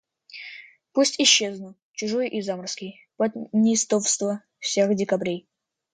Пусть исчезну, чужой и заморский, под неистовства всех декабрей.